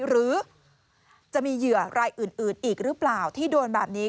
หรือจะมีเหยื่อรายอื่นอีกหรือเปล่าที่โดนแบบนี้